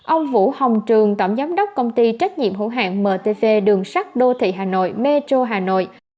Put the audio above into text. ông vũ hồng trường tổng giám đốc công ty trách nhiệm hữu hạng mtv đường sắt đô thị hà nội metro hà nội